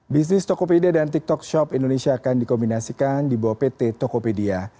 bisnis tokopedia dan tiktok shop indonesia akan dikombinasikan di bawah pt tokopedia